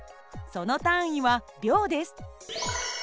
その単位は秒です。